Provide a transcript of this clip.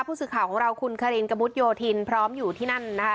ผู้สื่อข่าวของเราคุณคารินกระมุดโยธินพร้อมอยู่ที่นั่นนะคะ